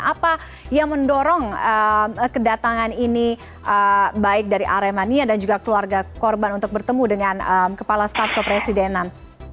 apa yang mendorong kedatangan ini baik dari aremania dan juga keluarga korban untuk bertemu dengan kepala staf kepresidenan